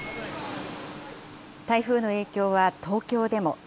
台風の影響は東京でも。